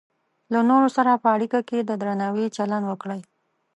له نورو سره په اړیکه کې د درناوي چلند وکړئ.